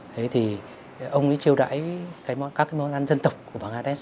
thế thì ông ấy chiêu đãi các món ăn dân tộc của bangladesh